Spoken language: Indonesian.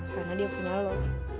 karena dia punya lo